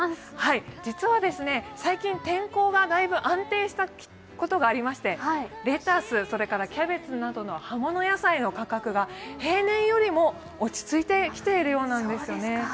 実は最近、天候がだいぶ安定してきたことがありましてレタス、キャベツなどの葉物野菜の価格が平年よりも落ち着いてきているようなんですよね。